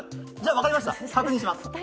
分かりました、確認します。